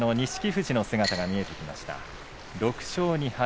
富士の姿が見えてきました、６勝２敗。